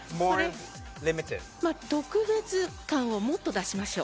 特別感をもっと出しましょう。